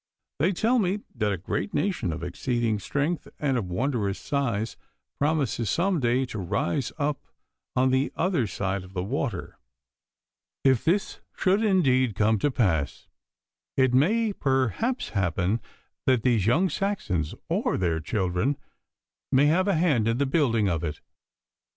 They tell me that a great nation of exceeding strength and of wondrous size promises some day to rise up on the other side of the water. If this should indeed come to pass, it may perhaps happen that these young Saxons or their children may have a hand in the building of it.